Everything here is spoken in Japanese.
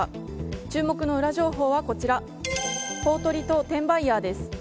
注目のウラ情報はこちら公取と転売ヤーです。